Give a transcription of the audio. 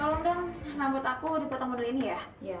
tolong dong nambut aku dipotong model ini ya